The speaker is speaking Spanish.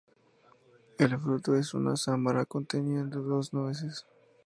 El fruto es una sámara conteniendo dos nueces.